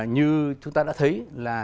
như chúng ta đã thấy là